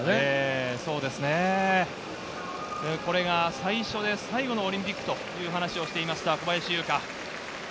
最初で最後のオリンピックという話をしていました、小林優香。